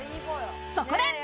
そこで。